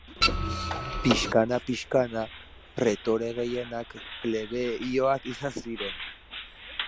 Pixkana-pixkana, pretore gehienak plebeioak izan ziren.